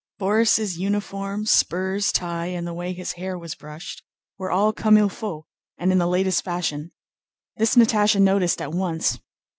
Borís' uniform, spurs, tie, and the way his hair was brushed were all comme il faut and in the latest fashion. This Natásha noticed at once.